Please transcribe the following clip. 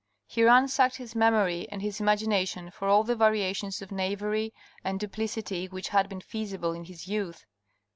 He ransacked his memory and his imagination for all the variations of knavery and duplicity which had been feasible in his youth.